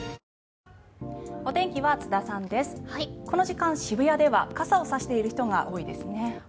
この時間、渋谷では傘を差している人が多いですね。